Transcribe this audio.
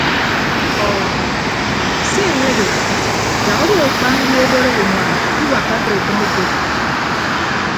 Ọọ se enye odo yak odo akpa ndi obod owoñwan iwakkake ọtʌñ uko.